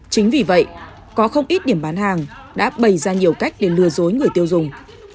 chính vì vậy có không ít điểm bán hàng đã bày ra nhiều cách để lừa dối người tiêu dùng